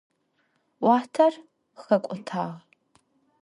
Уахътэр хэкӏотагъ.